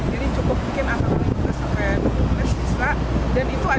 jadi cukup mungkin asal asal juga sekedar dua mes bisa